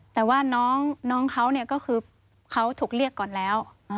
แต่ว่าน้องเขาเนี่ยก็คือเขาถูกเรียกก่อนแล้ว